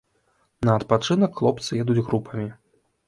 На адпачынак хлопцы едуць групамі.